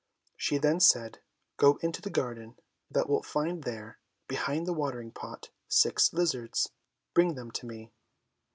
She then said, "Go into the garden, thou wilt find there, behind the watering pot, six lizards, bring them to me."